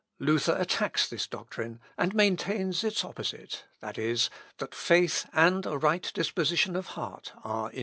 Luther attacks this doctrine, and maintains its opposite viz., that faith and a right disposition of heart are indispensable.